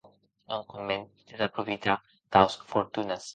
Non conven desaprofitar taus fortunes.